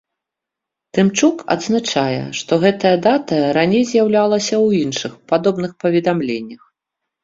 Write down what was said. Тымчук адзначае, што гэтая дата раней з'яўлялася ў іншых падобных паведамленнях.